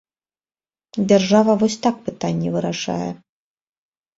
Дзяржава вось так пытанні вырашае.